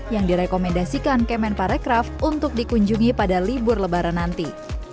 yang direkomendasikan kemen parekraf untuk dikunjungi pada libur lebaran nanti